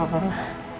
ada apa farwa